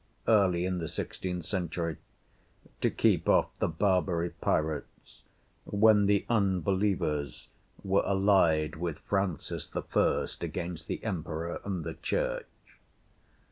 early in the sixteenth century, to keep off the Barbary pirates, when the unbelievers were allied with Francis I. against the Emperor and the Church.